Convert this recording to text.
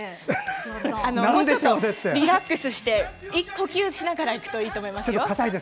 リラックスして呼吸しながらいくといいと思います。